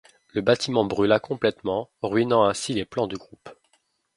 Le bâtiment brula complètement, ruinant ainsi les plans du groupe.